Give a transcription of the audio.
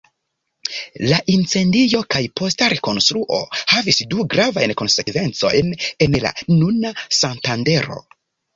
La incendio kaj posta rekonstruo havis du gravajn konsekvencojn en la nuna Santandero.